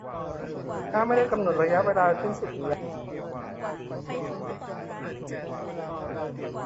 ถ้าไม่ได้กำหนดระยะเวลาสิ้นสุดสัญญาไว้